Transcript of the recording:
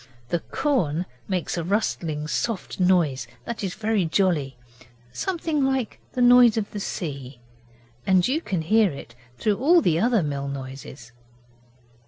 The corn makes a rustling soft noise that is very jolly something like the noise of the sea and you can hear it through all the other mill noises.